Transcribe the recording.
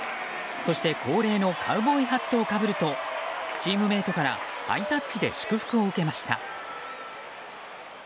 そして恒例のカウボーイハットをかぶるとチームメートからハイタッチで祝福を受けました。